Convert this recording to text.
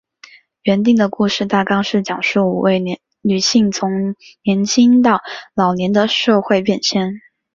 原定的故事大纲是讲述五位女性从年青到老年的社会变迁。